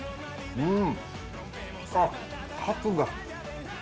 うん！